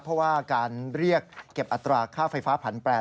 เพราะว่าการเรียกเก็บอัตราค่าไฟฟ้าผันแปร